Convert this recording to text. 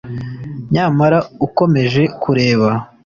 nyamara ukomeje kureba